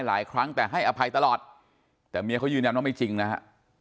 หลายครั้งแต่ให้อภัยตลอดแต่เมียเขายืนยันว่าไม่จริงนะฮะ